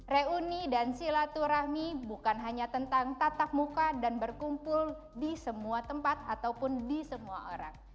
reuni dan silaturahmi bukan hanya tentang tatap muka dan berkumpul di semua tempat ataupun di semua orang